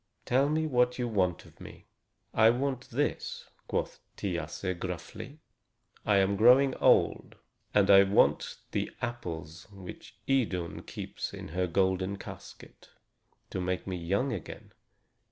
Tell me what you want of me?" "I want this," quoth Thiasse gruffly. "I am growing old, and I want the apples which Idun keeps in her golden casket, to make me young again.